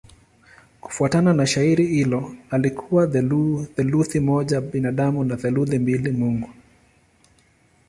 Kufuatana na shairi hilo alikuwa theluthi moja binadamu na theluthi mbili mungu.